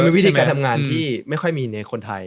วิธีการทำงานที่ไม่ค่อยมีในคนไทย